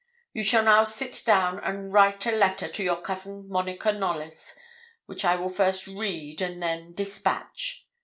You shall now sit down and write a letter to your cousin Monica Knollys, which I will first read and then despatch.